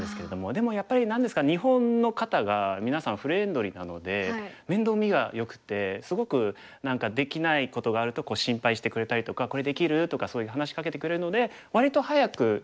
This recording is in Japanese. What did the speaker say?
でもやっぱり何ですか日本の方がみなさんフレンドリーなので面倒見がよくてすごく何かできないことがあると心配してくれたりとか「これできる？」とかそういう話しかけてくれるので割と早く日本の環境には慣れましたね。